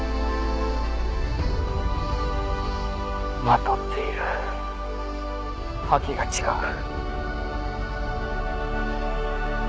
まとっている覇気が違う。